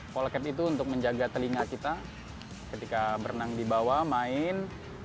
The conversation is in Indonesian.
poll cap itu untuk menjaga telinga kita ketika berenang di bawah main